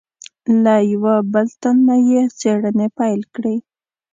له یوه بل تن نه یې څېړنې پیل کړې.